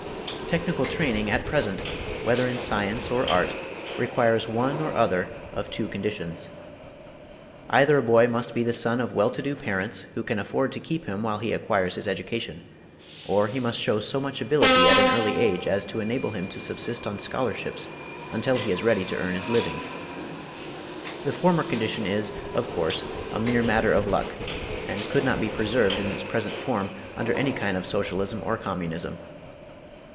Technical training at present, whether in science or art, requires one or other of two conditions. Either a boy must be the son of well to do parents who can afford to keep him while he acquires his education, or he must show so much ability at an early age as to enable him to subsist on scholarships until he is ready to earn his living. The former condition is, of course, a mere matter of luck, and could not be preserved in its present form under any kind of Socialism or Communism.